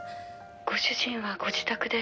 「ご主人はご自宅で」